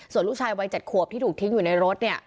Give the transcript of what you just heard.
ส่วนลูกชายวัย๗ขวบที่ถูกทิ้งอยู่ในรถเนี่ย